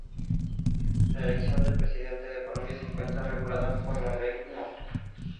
La elección del Presidente de Colombia se encuentra regulada por la Ley No.